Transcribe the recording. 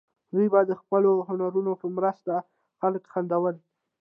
دوی به د خپلو هنرونو په مرسته خلک خندول.